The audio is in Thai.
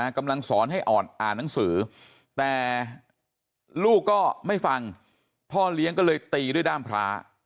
กำลังสอนให้อ่อนอ่านหนังสือแต่ลูกก็ไม่ฟังพ่อเลี้ยงก็เลยตีด้วยด้ามพระ